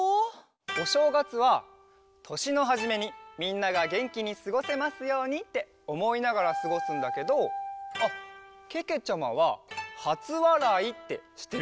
おしょうがつはとしのはじめにみんながげんきにすごせますようにっておもいながらすごすんだけどあっけけちゃまははつわらいってしってる？